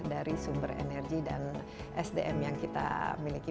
dari sumber energi dan sdm yang kita miliki